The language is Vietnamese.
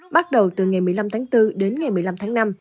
bắt đầu từ ngày một mươi năm tháng bốn đến ngày một mươi năm tháng năm